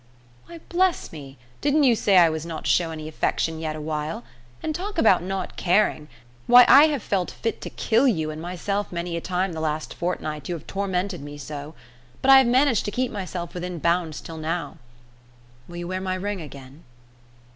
"Why, bless me, didn't you say I was not to show any affection yet awhile? And talk about not caring why, I have felt fit to kill you and myself many a time the last fortnight, you have tormented me so; but I have managed to keep myself within bounds till now. Will you wear my ring again?"